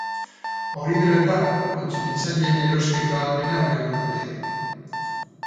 Hori dela eta, kontsumitzaileen erosketa-ahalmena galdu dute.